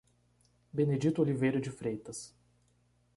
Benedito Oliveira de Freitas